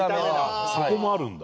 そこもあるんだ。